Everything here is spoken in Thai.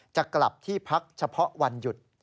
จะกลับที่พักเฉพาะวันหยุด